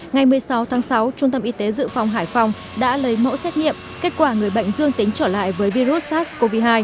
ngày một mươi sáu tháng sáu trung tâm y tế dự phòng hải phòng đã lấy mẫu xét nghiệm kết quả người bệnh dương tính trở lại với virus sars cov hai